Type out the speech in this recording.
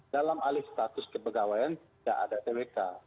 dalam alih status kepegawaian tidak ada twk